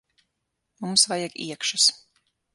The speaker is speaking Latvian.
Mums vajag iekšas.